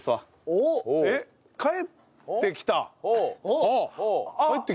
おお帰ってきた？